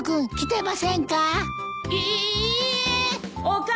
いいいえ！